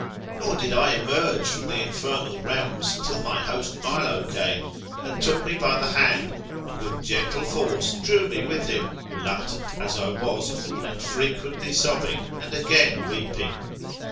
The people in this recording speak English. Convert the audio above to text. Nor did I emerge from the infernal realms, till my host Milo came, and took me by the hand, and with gentle force drew me with him, reluctant as I was, and frequently sobbing and weeping.